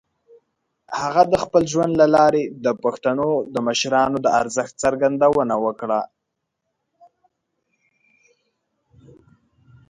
هغه د خپل ژوند له لارې د پښتنو د مشرانو د ارزښت څرګندونه وکړه.